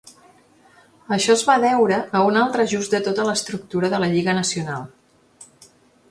Això es va deure a un altre ajust de tota l'estructura de la lliga nacional.